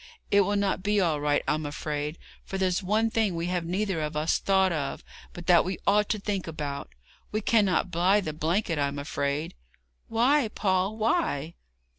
'It will not be all right, I'm afraid, for there's one thing we have neither of us thought of, but that we ought to think about. We cannot buy the blanket, I'm afraid.' 'Why Paul, why?'